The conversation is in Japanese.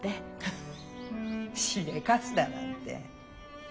フフッしでかすだなんて。